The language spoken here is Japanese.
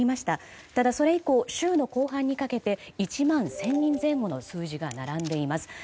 ただそれ以降、週の後半にかけて１万１０００人前後の数字が並んでいます。